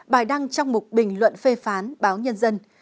bài đăng trong một bình luận phê phán báo nhân dân